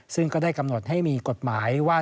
ซึ่งก็ได้กำหนดให้มีกฎหมายว่า